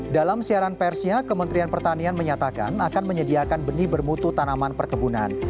dalam siaran persnya kementerian pertanian menyatakan akan menyediakan benih bermutu tanaman perkebunan